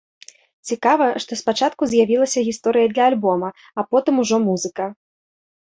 Цікава, што спачатку з'явілася гісторыя для альбома, а потым ужо музыка.